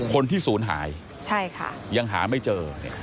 คนที่ศูนย์หายยังหาไม่เจอ